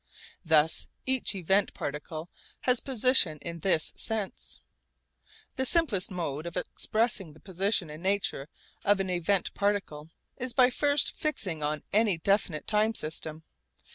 Thus each event particle has position in this sense. The simplest mode of expressing the position in nature of an event particle is by first fixing on any definite time system.